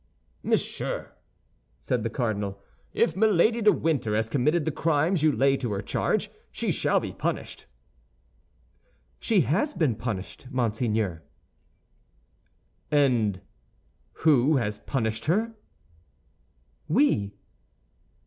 "Monsieur," said the cardinal, "if Milady de Winter has committed the crimes you lay to her charge, she shall be punished." "She has been punished, monseigneur." "And who has punished her?" "We."